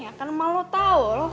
ya kan emang lo tau loh